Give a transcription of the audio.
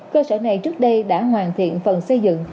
cơ sở này trước đây đã hoàn thiện phần xây dựng